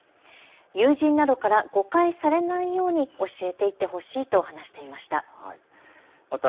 友人などから誤解されないように教えていってほしいと話していました。